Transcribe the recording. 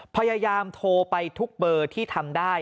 พยายามโทรไปทุกเบอร์ที่ทำได้